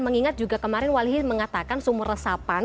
mengingat juga kemarin wali mengatakan sumur resapan